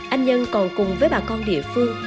anh nhân còn cùng với bà con địa phương